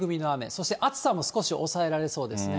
そして暑さも少し抑えられそうですね。